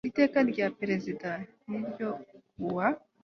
iteka rya perezida n ryo ku wa